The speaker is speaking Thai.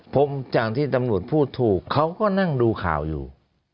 ผมจากที่ตำรวจพูดถูกเขาก็นั่งดูข่าวอยู่